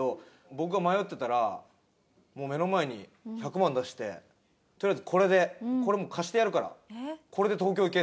僕が迷ってたら目の前に１００万出して「とりあえずこれでこれもう貸してやるからこれで東京行け！」